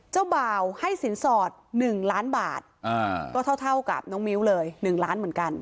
เจ้าบ่าวให้สินสอด๑ล้านบาทก็เท่ากับน้องมิ้วเลย๑ล้านเหมือนกัน